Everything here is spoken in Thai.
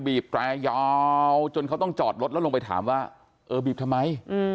แปรยาวจนเขาต้องจอดรถแล้วลงไปถามว่าเออบีบทำไม